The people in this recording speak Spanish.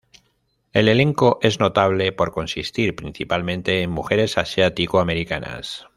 El elenco es notable por consistir principalmente en mujeres asiático-americanas.